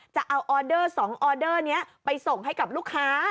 จะเอาออเดอร์๒ออเดอร์นี้ไปส่งให้กับลูกค้า